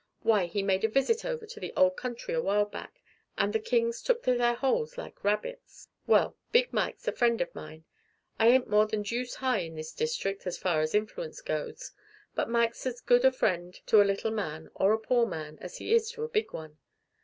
Why, he made a visit over to the old country awhile back, and the kings took to their holes like rabbits. "Well, Big Mike's a friend of mine. I ain't more than deuce high in the district as far as influence goes, but Mike's as good a friend to a little man, or a poor man, as he is to a big one.